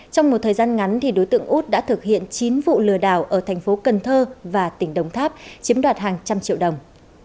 trong một thời gian ngắn đối tượng út đã thực hiện chín vụ lừa đảo ở thành phố cần thơ và tỉnh đồng tháp chiếm đoạt hàng trăm triệu đồng